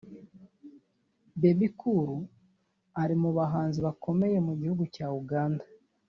Bebe Cool ari mu bahanzi bakomeye mu gihugu cya Uganda